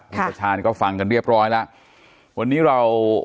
ตาฉานก็ฟังเรียบร้อยวันนี้เรา